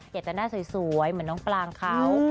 อยากจะหน้าสวยเหมือนน้องปลางเขา